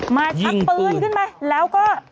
มาชัดปืนขึ้นไปแล้วก็